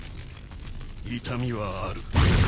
痛みはある。